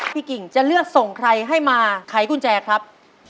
กิ่งจะเลือกส่งใครให้มาไขกุญแจครับ